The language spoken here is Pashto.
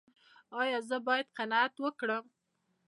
ایا زه باید قناعت وکړم؟